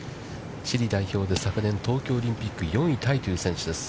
チリ代表で昨年東京オリンピックで４位タイという選手です。